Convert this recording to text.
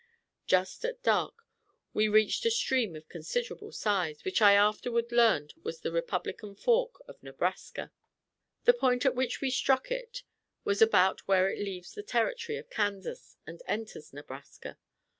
Just at dark we reached a stream of considerable size, which I afterward learned was the Republican Fork of Nebraska. The point at which we struck it, was about where it leaves the territory of Kansas and enters Nebraska.